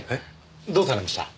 どうされました？